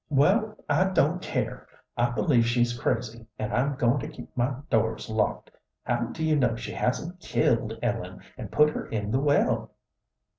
"Well, I don't care. I believe she's crazy, and I'm going to keep my doors locked. How do you know she hasn't killed Ellen and put her in the well?"